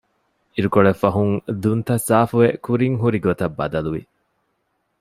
އިރުކޮޅެއްފަހުން ދުންތައް ސާފުވެ ކުރިން ހުރި ގޮތަށް ބަދަލުވި